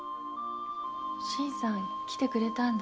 新さん来てくれたんだ。